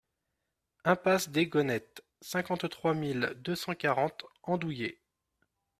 Impasse des Gonettes, cinquante-trois mille deux cent quarante Andouillé